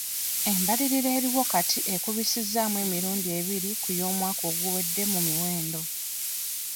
Embalirira eriwo kati ekubisizzaamu emirundi ebiri ku y'omwaka oguwedde mu miwendo.